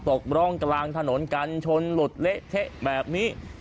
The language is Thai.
ตกร่องกลางถนนกันชนหลุดเละเทะแบบนี้